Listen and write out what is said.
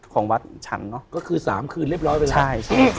ของวัดฉันเนาะ